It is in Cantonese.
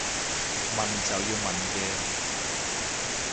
問就要問嘅